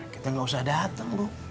kita gak usah dateng bu